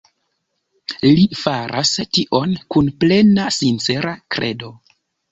Li faras tion kun plena sincera kredo.